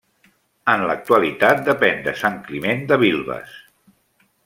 En l'actualitat depèn de Sant Climent de Vilves.